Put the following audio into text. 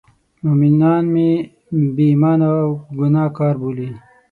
مومنان مې بې ایمانه او ګناه کار بولي.